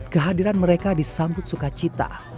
kehadiran mereka disambut sukacita